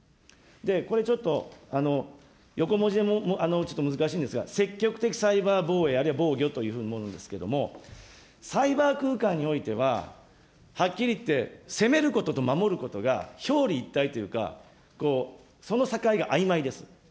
これ、ちょっと、横文字のちょっと難しいんですが、積極的サイバー防衛、あるいは防御というものなんですけれども、サイバー空間においては、はっきり言って、攻めることと守ることが表裏一体というか、その境があいまいです。